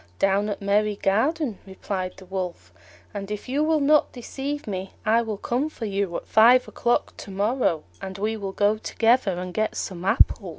"Down at Merry garden," replied the Wolf; "and if you will not deceive me I will come for you, at five o'clock to morrow, and we will go together and get some apples."